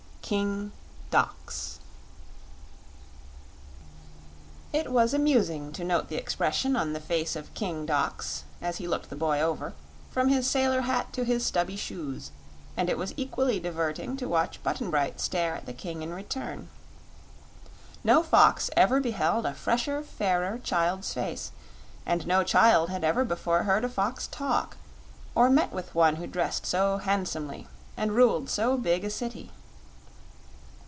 4. King Dox It was amusing to note the expression on the face of King Dox as he looked the boy over, from his sailor hat to his stubby shoes, and it was equally diverting to watch Button Bright stare at the King in return. No fox ever beheld a fresher, fairer child's face, and no child had ever before heard a fox talk, or met with one who dressed so handsomely and ruled so big a city.